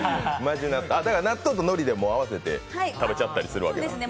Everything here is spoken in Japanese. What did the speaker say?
だから納豆とのりで合わせて食べちゃったりもするんですね。